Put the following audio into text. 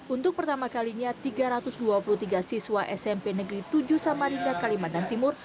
untuk pertama kalinya tiga ratus dua puluh tiga siswa smp negeri tujuh samarinda kalimantan timur